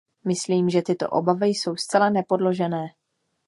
Myslím, že tyto obavy jsou zcela nepodložené.